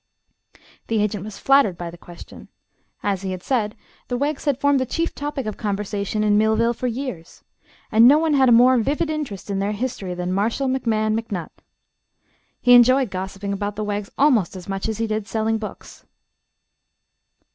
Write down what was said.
The agent was flattered by the question. As he had said, the Weggs had formed the chief topic of conversation in Millville for years, and no one had a more vivid interest in their history than Marshall McMahon McNutt. He enjoyed gossiping about the Weggs almost as much as he did selling books.